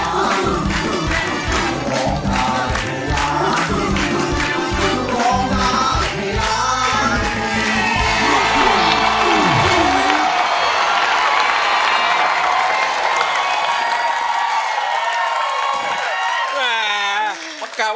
ร้องได้นะ